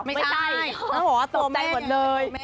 ไม่ใช่ตกใจเหมือนเลย